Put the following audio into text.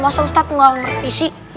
masa ustadz gak ngerti sih